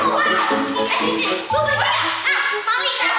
maling lo tau maling tau gak